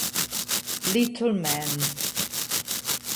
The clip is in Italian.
Little Man